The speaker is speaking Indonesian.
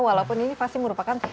walaupun ini pasti merupakan